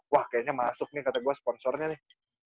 wah kayaknya masuk nih kata gue sponsornya nih